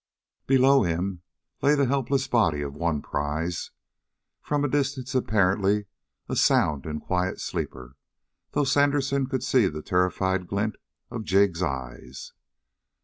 Below him lay the helpless body of one prize from a distance apparently a sound and quiet sleeper, though Sandersen could see the terrified glint of Jig's eyes.